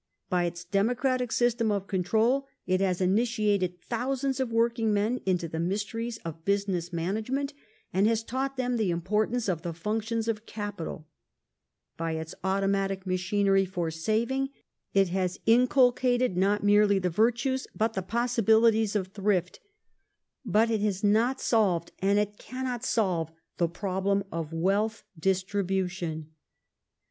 By its democratic system of control it has initiated thousands of working men into the mysteries of business management and has taught them the importance of the functions of capital ; by its automatic machinery for saving it has inculcated not merely the virtues but the possibilities of thrift ; but it has not solved, and it cannot solve, the problem of wealth distribution.